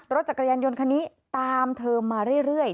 รถจักรยานยนต์คันนี้ตามเธอมาเรื่อย